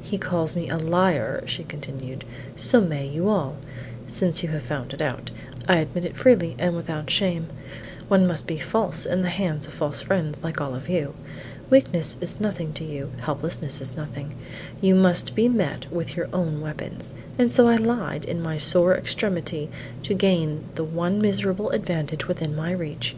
"He calls me a liar," she continued; "so may you all. Since you have found it out, I admit it freely and without shame; one must be false in the hands of false fiends like all of you. Weakness is nothing to you; helplessness is nothing; you must be met with your own weapons, and so I lied in my sore extremity to gain the one miserable advantage within my reach.